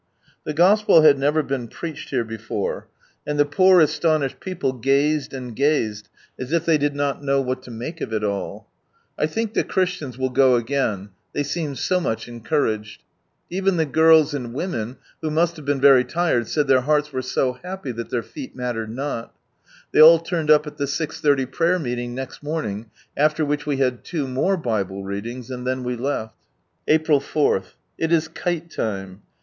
The Gospel had never been preached here before, and the poor astonished people gazed and gazed, as if they did not know what to make q( it all. I think the Chrii ^ain, they seemed so much couraged. Even the girls ; whu must have i)een very tired, said their hearts were so happy that their feet maitererl noL 'Ihey all turned u(i at the C.30 prayer meeting r moming, after which we had two n Bible readings, and then we lel^. /i/rii 4.^It is kite time.